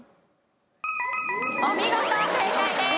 お見事正解です。